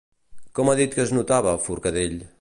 Com ha dit que es notava, Forcadell?